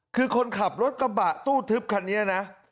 คือคนขับรถกระบะตู้ทึบคันนี้นะ